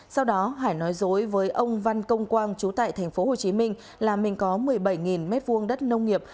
sau đó hải nói dối với ông văn công quang chú tại tp hcm là mình có một mươi bảy m hai đất nông nghiệp